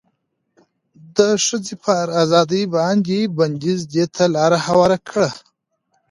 د ښځې پر ازادې باندې بنديز دې ته لار هواره کړه